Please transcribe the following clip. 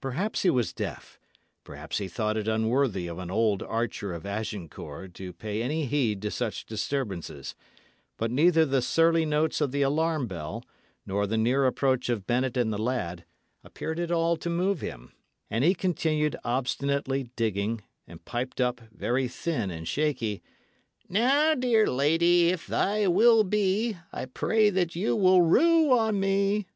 Perhaps he was deaf; perhaps he thought it unworthy of an old archer of Agincourt to pay any heed to such disturbances; but neither the surly notes of the alarm bell, nor the near approach of Bennet and the lad, appeared at all to move him; and he continued obstinately digging, and piped up, very thin and shaky: "Now, dear lady, if thy will be, I pray you that you will rue on me."